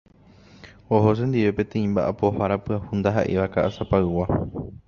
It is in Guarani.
Oho chendive peteĩ mba'apohára pyahu ndaha'éiva Ka'asapaygua.